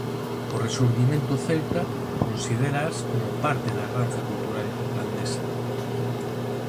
O rexurdimento celta considéraas como parte da herdanza cultural irlandesa.